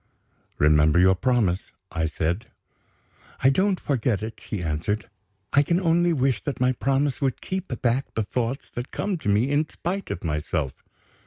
"Remember your promise," I said "I don't forget it," she answered. "I can only wish that my promise would keep back the thoughts that come to me in spite of myself."